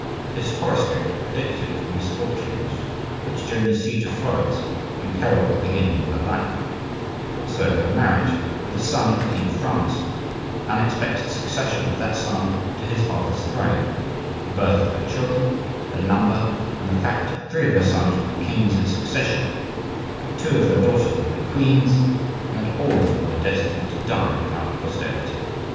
This horoscope predicted the misfortunes which during the siege of Florence imperilled the beginning of her life; also her marriage with a son of the king of France, the unexpected succession of that son to his father's throne, the birth of her children, their number, and the fact that three of her sons would be kings in succession, that two of her daughters would be queens, and that all of them were destined to die without posterity.